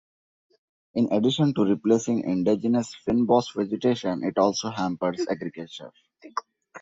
In addition to replacing indigenous fynbos vegetation, it also hampers agriculture.